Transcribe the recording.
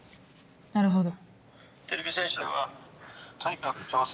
なるほど。